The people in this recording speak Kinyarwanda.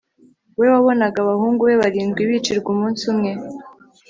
we wabonaga abahungu be barindwi bicirwa umunsi umwe